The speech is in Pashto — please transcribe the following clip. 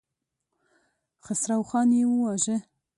خسروخان يې وواژه.